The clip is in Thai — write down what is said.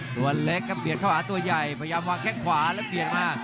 ตัวเล็กครับเบียดเข้าหาตัวใหญ่พยายามวางแข้งขวาแล้วเบียดมา